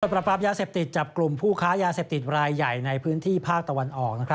ปรับปรามยาเสพติดจับกลุ่มผู้ค้ายาเสพติดรายใหญ่ในพื้นที่ภาคตะวันออก